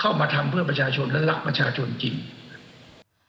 และรักประชาชนจริง